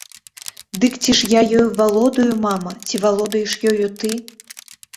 Дык ці ж я ёю валодаю, мама, ці валодаеш ёю ты?